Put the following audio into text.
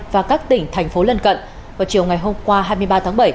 và các tỉnh thành phố lân cận vào chiều ngày hôm qua hai mươi ba tháng bảy